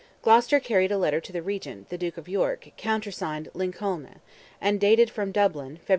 Gloucester carried a letter to the regent, the Duke of York, countersigned "Lincolne," and dated from Dublin, "Feb.